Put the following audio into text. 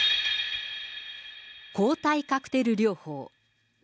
抗体カクテル療法。